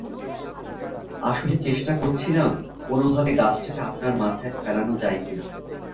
আসলে চেষ্টা করছিলাম কোনভাবে গাছটাকে আপনার মাথায় ফেলানো যায় কিনা।